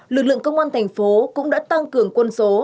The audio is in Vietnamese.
lực lượng công an thành phố cũng đã tăng cường quân số